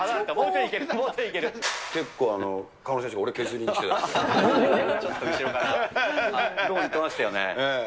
でもいってましたよね。